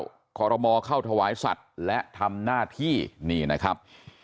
การโหวตก้าวขอรมอเข้าทวายศัตริ์และทำหน้าที่นี่นะครับ